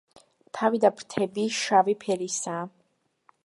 თავი და ფრთები შავი ფერისაა.